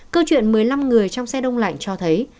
câu chuyện một mươi năm người trong xe đông lạnh cho thấy